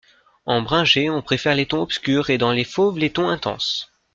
En bringée on préfère les tons obscurs et dans les fauves les tons intenses.